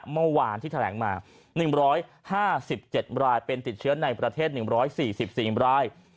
เมื่อวานที่แถลงมา๑๕๗รายเป็นติดเชื้อในประเทศ๑๔๔ราย